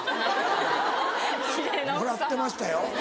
もらってましたよ。